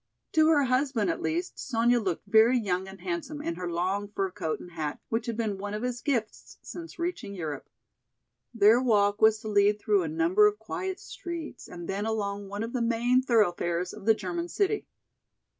To her husband at least Sonya looked very young and handsome in her long fur coat and hat, which had been one of his gifts since reaching Europe. Their walk was to lead through a number of quiet streets and then along one of the main thoroughfares of the German city.